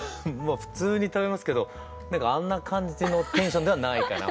普通に食べますけどなんかあんな感じのテンションではないかな。